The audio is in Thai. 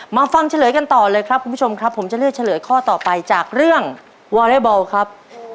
ฟังเฉลยกันต่อเลยครับคุณผู้ชมครับผมจะเลือกเฉลยข้อต่อไปจากเรื่องวอเรย์บอลครับ